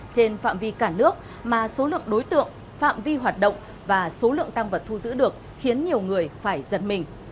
trên phạm vi cả nước mà số lượng đối tượng phạm vi hoạt động và số lượng tăng vật thu giữ được khiến nhiều người phải giật mình